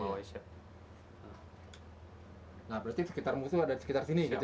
nah berarti sekitar musuh ada di sekitar sini